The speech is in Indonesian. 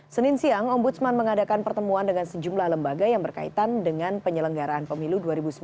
senin siang ombudsman mengadakan pertemuan dengan sejumlah lembaga yang berkaitan dengan penyelenggaraan pemilu dua ribu sembilan belas